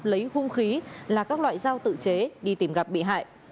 lấy hung khí là các loại dao tự chế đi tìm gặp bị hại